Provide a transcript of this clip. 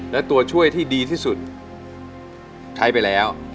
และตัวช่วยที่ดีที่สุดใช้ไปแล้ว